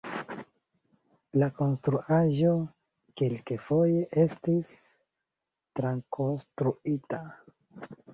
La konstruaĵo kelkfoje estis trakonstruita.